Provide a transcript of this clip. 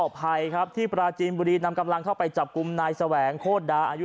ก่อใพที่พระอาจีนบุหรีนำกำลังเข้าไปจับกุมนายแสวงโฆษณ์ดาอายุ